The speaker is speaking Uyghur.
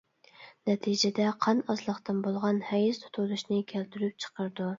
نەتىجىدە قان ئازلىقتىن بولغان ھەيز تۇتۇلۇشنى كەلتۈرۈپ چىقىرىدۇ.